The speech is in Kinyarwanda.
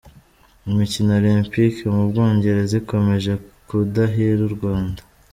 Imikino Olempike Mubwongereza ikomeje kudahira u Rwanda